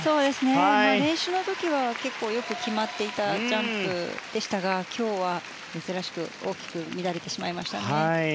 練習の時は、結構よく決まっていたジャンプでしたが今日は珍しく大きく乱れてしまいましたね。